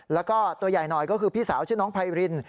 แล้วก็ตัวใหญ่หน่อยก็คือพี่สาวชื่อน้องไพริน